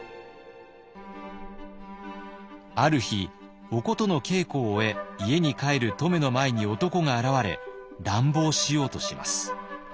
ある日お琴の稽古を終え家に帰る乙女の前に男が現れ乱暴しようとします。